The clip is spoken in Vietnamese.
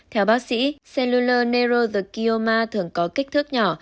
theo bác sĩ cellular neuro the kioma thường có kích thước nhỏ